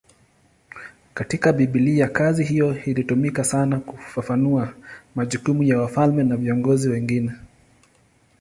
Katika Biblia kazi hiyo ilitumika sana kufafanua majukumu ya wafalme na viongozi wengine.